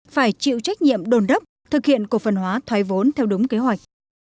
phải chịu trách nhiệm đồn đốc thực hiện cổ phần hóa thoái vốn theo đúng kế hoạch